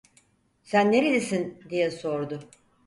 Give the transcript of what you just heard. "Sen nerelisin?" diye sordu.